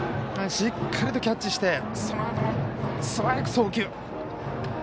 しっかりとキャッチしてそのあとも素早く送球。